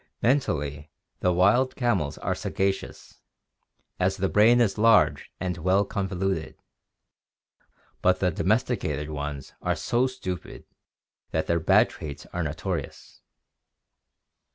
— Mentally the wild camels are sagacious, as the brain is large and well convoluted, but the domesticated ones are so stupid that their bad traits are notorious.